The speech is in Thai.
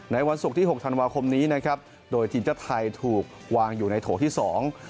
วันศุกร์ที่หกธันวาคมนี้นะครับโดยทีมชาติไทยถูกวางอยู่ในโถที่สอง